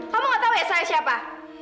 kamu gak tahu ya saya siapa